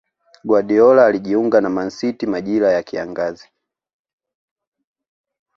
Guardiola alijiunga na Man City majira ya kiangazi